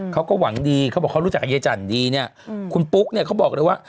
เขาก็หวังดีเขาบอกเขารู้จักกับยายจันดีเนี่ยคุณปุ๊กเนี่ยเขาบอกเลยว่า